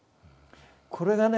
これがね